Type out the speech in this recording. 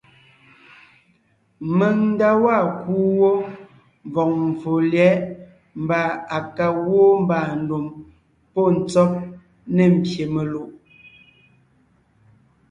Mèŋ nda waa kuu wó mvɔ̀g mvfò lyɛ̌ʼ mbà à ka gwoon mbàandùm pɔ́ ntsɔ́b ne mbyè melùʼ;